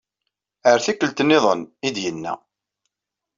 Ar tikkelt niḍen, ay d-yenna.